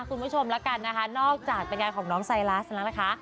คุณผู้ชมแล้วกันนอกจากปัญญาของน้องไซลัสนะคะ